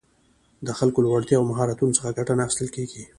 د خلکو له وړتیاوو او مهارتونو څخه ګټه نه اخیستل کېږي